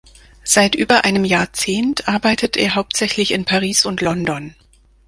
Seit über einem Jahrzehnt arbeitet er hauptsächlich in Paris und London.